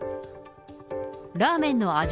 ラーメンの味